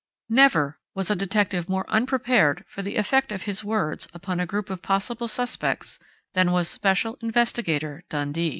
Never was a detective more unprepared for the effect of his words upon a group of possible suspects than was Special Investigator Dundee....